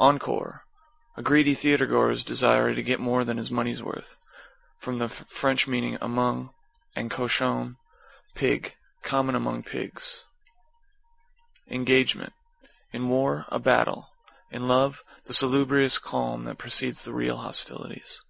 =ENCORE= A greedy theatre goer's desire to get more than his money's worth. From the Fr. en, among, and cochon, pig, common among pigs. =ENGAGEMENT= In war, a battle. In love, the salubrious calm that precedes the real hostilities.